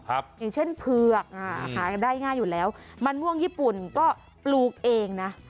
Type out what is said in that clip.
อย่างเช่นเผือกอ่าหากันได้ง่ายอยู่แล้วมันม่วงญี่ปุ่นก็ปลูกเองนะ